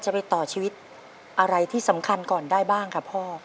ไปต่อชีวิตอะไรที่สำคัญก่อนได้บ้างค่ะพ่อ